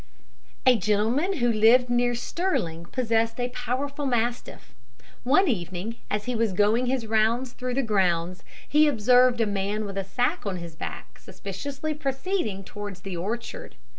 A gentleman who lived near Stirling, possessed a powerful mastiff. One evening, as he was going his rounds through the grounds, he observed a man with a sack on his back suspiciously proceeding towards the orchard.